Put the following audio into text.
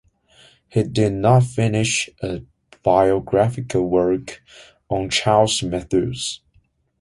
He did not finish a biographical work on Charles Mathews.